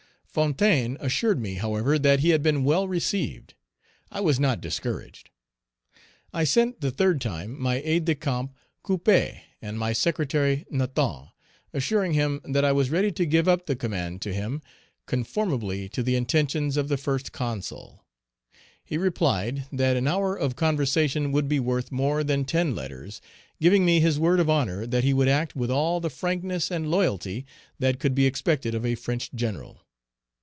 Fontaine assured me, however, that he had been well received. I was not discouraged. I sent the third time my aide de camp, Couppé and my secretary Nathand, assuring him that I was ready to give up the command to him, conformably to the intentions of the First Consul. He replied, that an hour of conversation would be worth more than ten letters, giving me his word of honor that he would act with all the frankness and loyalty that could Page 312 be expected of a French general.